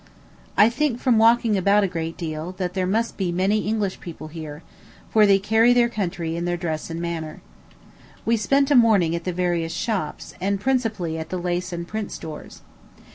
I think, from walking about a great deal, that there must be many English people here; for they carry their country in their dress and manner. We spent a morning at the various shops, and principally at the lace and print stores.